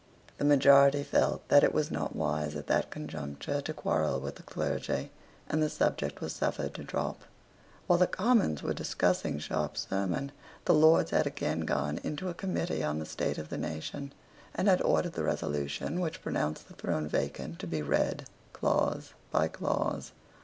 The majority felt that it was not wise at that conjuncture to quarrel with the clergy; and the subject was suffered to drop. While the Commons were discussing Sharp's sermon, the Lords had again gone into a committee on the state of the nation, and had ordered the resolution which pronounced the throne vacant to be read clause by clause.